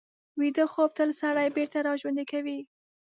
ویده خوب تل سړی بېرته راژوندي کوي